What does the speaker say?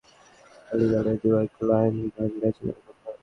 CD বিক্রির পাশাপাশি ক্ষণে ক্ষণে খালি গলায় দু–এক লাইন গান গাইছেন অর্ণব।